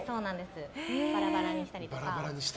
バラバラにしたりとか。